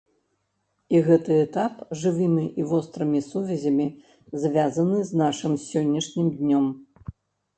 І гэты этап жывымі і вострымі сувязямі звязаны з нашым сённяшнім днём.